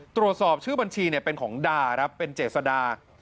ตรวจสอบชื่อบัญชีเป็นของดาครับเป็นเจษดา